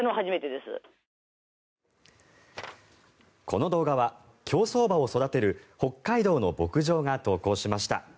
この動画は競走馬を育てる北海道の牧場が投稿しました。